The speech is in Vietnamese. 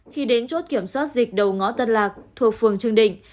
khi đến chốt kiểm soát dịch đầu ngõ tân lạc thuộc phường trương định